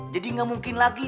jadi gak mungkin lagi